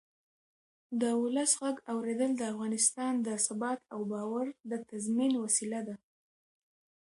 د ولس غږ اورېدل د افغانستان د ثبات او باور د تضمین وسیله ده